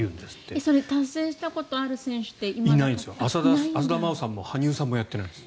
それは達成したことある選手っていないんですか？